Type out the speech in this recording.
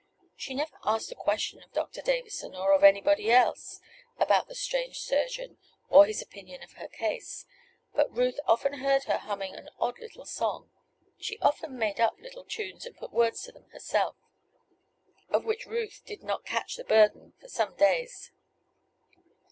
She never asked a question of Doctor Davison, or of anybody else, about the strange surgeon, or his opinion of her case; but Ruth often heard her humming an odd little song (she often made up little tunes and put words to them herself) of which Ruth did not catch the burden for some days.